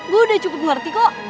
gua udah cukup ngerti kok